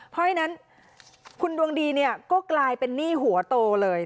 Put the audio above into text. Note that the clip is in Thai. เพราะฉะนั้นคุณดวงดีเนี่ยก็กลายเป็นหนี้หัวโตเลย